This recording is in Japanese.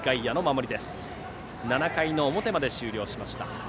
７回の表まで終了しました。